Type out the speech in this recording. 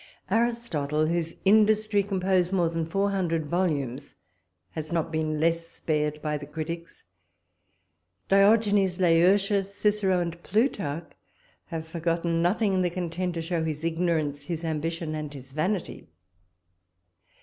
Aristotle, whose industry composed more than four hundred volumes, has not been less spared by the critics; Diogenes Laertius, Cicero, and Plutarch, have forgotten nothing that can tend to show his ignorance, his ambition, and his vanity.